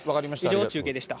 以上、中継でした。